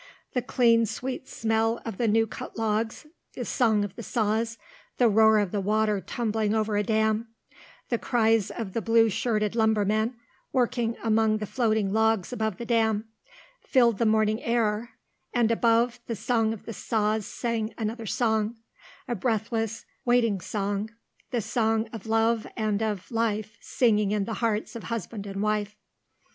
The clean sweet smell of the new cut logs, the song of the saws, the roar of the water tumbling over a dam, the cries of the blue shirted lumbermen working among the floating logs above the dam, filled the morning air, and above the song of the saws sang another song, a breathless, waiting song, the song of love and of life singing in the hearts of husband and wife.